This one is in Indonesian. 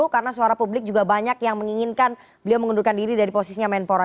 karena suara publik juga banyak yang menginginkan beliau mengundurkan diri dari posisinya menpora